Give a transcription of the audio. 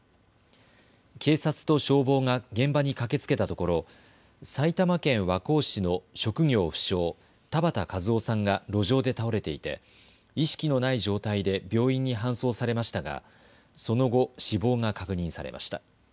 警察と消防が現場に駆けつけたところ、埼玉県和光市の職業不詳、田畑和雄さんが路上で倒れていて意識のない状態で病院に搬送されましたがその後、死亡が確認されました。